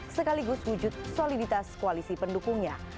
sekaligus wujud soliditas koalisi pendukungnya